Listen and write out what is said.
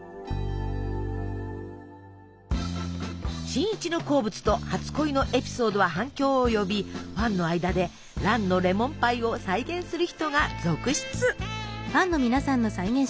新一の好物と初恋のエピソードは反響を呼びファンの間で「蘭のレモンパイ」を再現する人が続出。